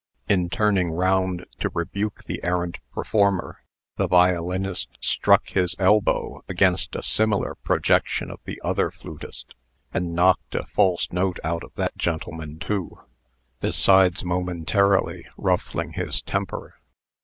In turning round to rebuke the errant performer, the violinist struck his elbow against a similar projection of the other flutist, and knocked a false note out of that gentleman too, besides momentarily ruffling his temper.